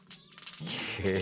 「へえ」